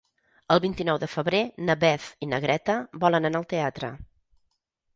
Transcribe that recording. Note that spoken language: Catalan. El vint-i-nou de febrer na Beth i na Greta volen anar al teatre.